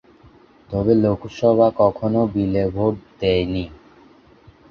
তবে লোকসভা কখনও বিলে ভোট দেয়নি।